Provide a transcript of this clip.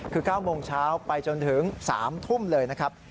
คือ๙โมงเช้าไปจนถึง๓ทุ่มเลยนะครับ